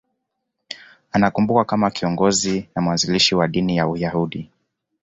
Anakumbukwa kama kiongozi na mwanzilishi wa dini ya Uyahudi.